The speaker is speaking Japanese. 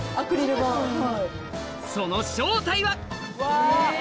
その正体はうわ！